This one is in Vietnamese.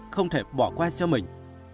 không thể bỏ qua cho mình